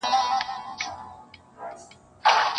کوم څراغ چي روښنایي له پردو راوړي,